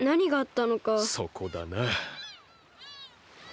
そこだな。